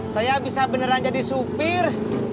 saya bisa beneran jadi supir